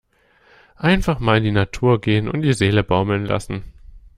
Einfach mal in die Natur gehen und die Seele baumeln lassen!